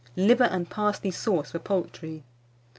LIVER AND PARSLEY SAUCE FOR POULTRY.